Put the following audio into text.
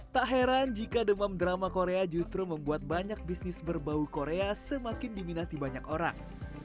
tak heran jika demam drama korea justru membuat banyak bisnis berbau korea semakin diminati banyak orang